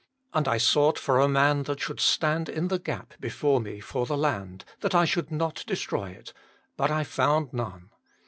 And I sought for a man that should stand in the gap before Me fcr the land, that I should not destroy it ; but / found none."